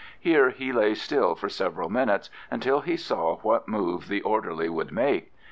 Here he lay still for several minutes until he saw what move the orderly would make.